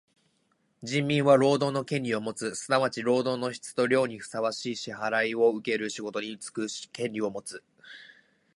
人民は労働の権利をもつ。すなわち労働の質と量にふさわしい支払をうける仕事につく権利をもつ。